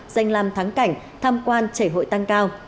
danh làm thắng cảnh tham quan chảy hội tăng cao